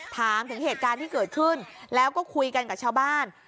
ถามถึงเหตุการณ์ที่เกิดขึ้นแล้วก็คุยกันกับชาวบ้าน